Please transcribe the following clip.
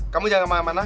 kamu jangan kemana mana